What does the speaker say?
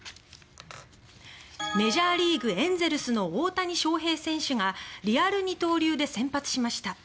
メジャーリーグ、エンゼルスの大谷翔平選手がリアル二刀流で先発しました。